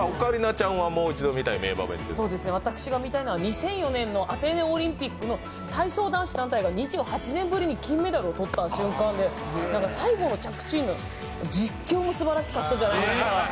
私が見たいのは２００４年のアテネオリンピックの体操男子団体が２８年ぶりに金メダルを取った瞬間で最後の着地、実況がすばらしかったじゃないですか。